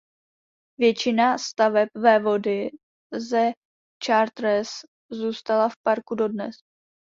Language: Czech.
Většina staveb vévody ze Chartres zůstala v parku dodnes.